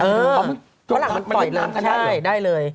เพราะหลังมันปล่อยเริ่มใช่ได้เลย